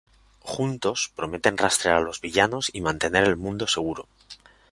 Juntos, prometen rastrear a los villanos y mantener el mundo seguro.